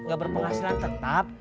gak berpenghasilan tetap